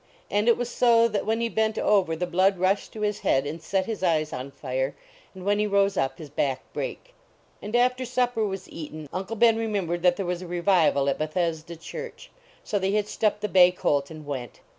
And it was so that when he bent over the blood rushed to his head and set his eyes on fire, and when he rose up his back brake. And after supper was eaten, Uncle Ben re membered that there was a revival at Be thesda church. So they hitched up the bay colt and went.